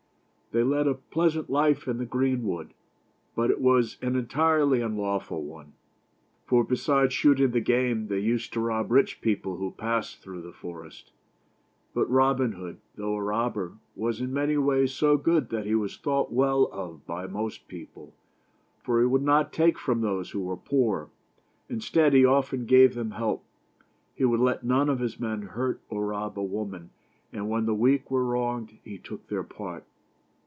They led a pleasant life in the greenwood, but it was an entirely unlawful one, for besides shooting the game, they used to rob rich people who passed through the forest. But Robin Hood, though a robber, was in many ways so good that he was thought well of by most people ; for he would not take from those who were poor — instead, he often gave them help. He would let none of his men hurt or rob a woman, and when the weak were wronged he took their part.